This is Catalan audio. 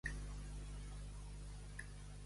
Colzet alt, lliços plans.